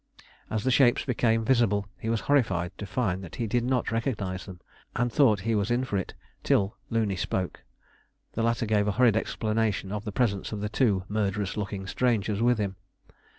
As the shapes became visible, he was horrified to find that he did not recognise them, and thought he was in for it, till Looney spoke. The latter gave a hurried explanation of the presence of the two murderous looking strangers with him.